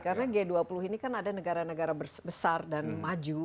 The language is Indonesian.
karena g dua puluh ini kan ada negara negara besar dan maju